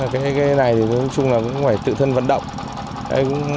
cái này thì nói chung là cũng phải tự thân vận động